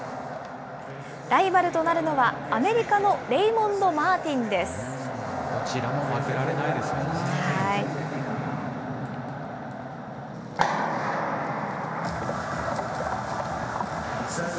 ライバルとなるのは、アメリカのレイモンド・マーティンです。